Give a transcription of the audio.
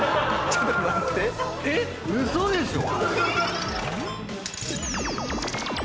えっ⁉嘘でしょ